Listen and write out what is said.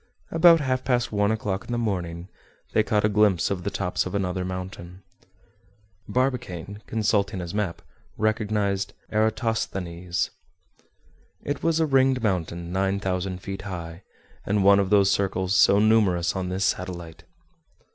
About half past one o'clock in the morning, they caught a glimpse of the tops of another mountain. Barbicane, consulting his map, recognized Eratosthenes. It was a ringed mountain nine thousand feet high, and one of those circles so numerous on this satellite.